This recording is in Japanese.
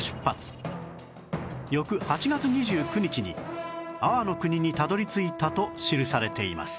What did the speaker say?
翌８月２９日に安房国にたどり着いたと記されています